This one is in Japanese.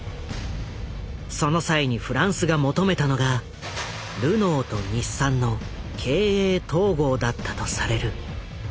その際にフランスが求めたのが「ルノーと日産の経営統合」だったとされる。